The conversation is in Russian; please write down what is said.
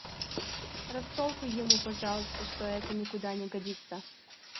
Растолкуй ему, пожалуйста, что это никуда не годится.